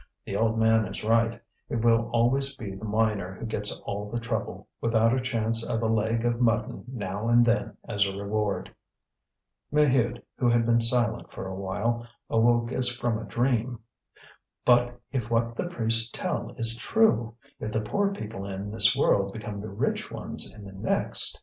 "The old man is right; it will always be the miner who gets all the trouble, without a chance of a leg of mutton now and then as a reward." Maheude, who had been silent for a while, awoke as from a dream. "But if what the priests tell is true, if the poor people in this world become the rich ones in the next!"